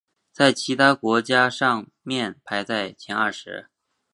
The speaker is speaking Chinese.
在其他的国家上面排在前二十。